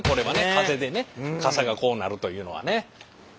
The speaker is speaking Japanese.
風でね傘がこうなるというのはね。